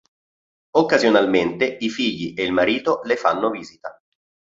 Occasionalmente, i figli e il marito le fanno visita.